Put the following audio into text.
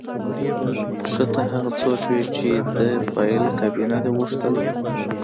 ښه ته هغه څوک وې چې د فایل کابینه دې غوښتله